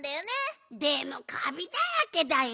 でもカビだらけだよ。